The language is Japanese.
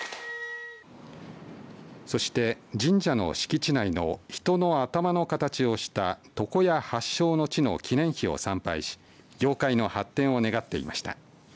そして神社の敷地内の人の頭の形をした床屋発祥の地の記念碑を参拝し業界の発展を願っていました。